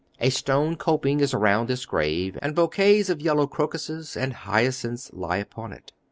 A stone coping is around this grave, and bouquets of yellow crocuses and hyacinths lie upon it.